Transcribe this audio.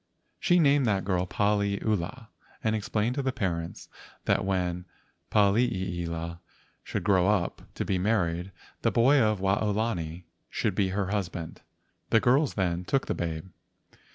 She named that girl Pali ula, and explained to the parents that when 122 LEGENDS OF GHOSTS Paliiila should grow up, to be married, the boy of Waolani should be her husband. The girls then took the babe.